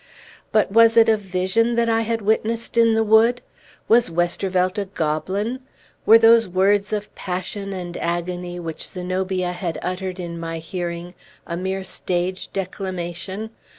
But was it a vision that I had witnessed in the wood? Was Westervelt a goblin? Were those words of passion and agony, which Zenobia had uttered in my hearing, a mere stage declamation?